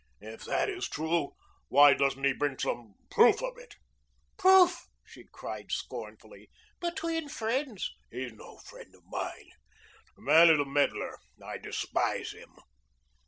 "If that is true, why doesn't he bring some proof of it?" "Proof!" she cried scornfully. "Between friends " "He's no friend of mine. The man is a meddler. I despise him."